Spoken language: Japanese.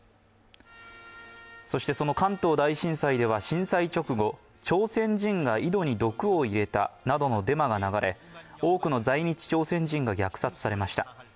そしてその関東大震災では震災直後、朝鮮人が井戸に毒を入れたなどのデマが流れ、多くの在日朝鮮人が虐殺されました。